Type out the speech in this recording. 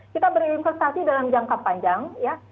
kita berinvestasi dalam jangka panjang ya